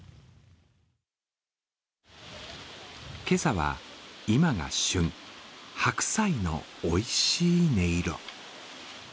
今朝は今が旬白菜のおいしい音色。